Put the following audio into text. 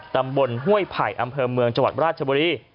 ตำบลห้วยไผ่อำเภอเมืองจังหวัดราชบุรี